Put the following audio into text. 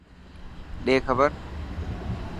ڏي کبر.